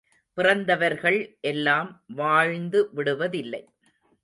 பிறந்தவர்கள் எல்லாம் வாழ்ந்து விடுவதில்லை.